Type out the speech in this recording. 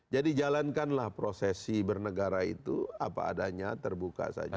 jadi jalankanlah prosesi bernegara itu apa adanya terbuka saja